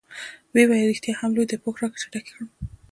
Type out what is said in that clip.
ویې ویل: رښتیا هم لوی دی، پوښ راکړه چې ډک یې کړم.